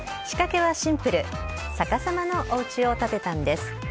仕掛けはシンプル、逆さまのおうちを建てたんです。